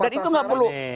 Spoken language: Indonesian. dan itu gak perlu